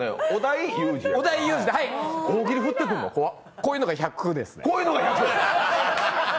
こういうのが１００ですね。